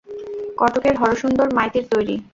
কটকের হরসুন্দর মাইতির তৈরি।